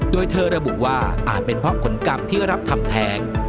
โดยเธอระบุว่าอาจเป็นเพราะผลกรรมที่รับทำแท้ง